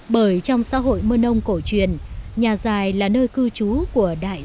bởi trong xã hội mơ nông cổ truyền nhà dài là nơi cư trú của đại gia